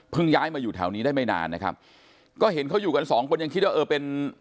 ย้ายมาอยู่แถวนี้ได้ไม่นานนะครับก็เห็นเขาอยู่กันสองคนยังคิดว่าเออเป็น